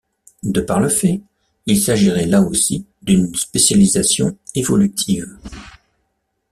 De par le fait, il s'agirait là aussi d'une spécialisation évolutive.